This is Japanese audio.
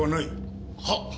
はっ。